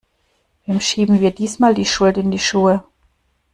Wem schieben wir diesmal die Schuld in die Schuhe?